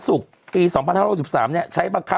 ถูกต้องถูกต้อง